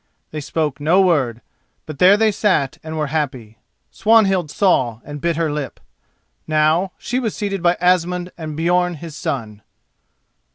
They spoke no word, but there they sat and were happy. Swanhild saw and bit her lip. Now, she was seated by Asmund and Björn his son.